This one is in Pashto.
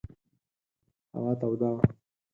هوا توده وه.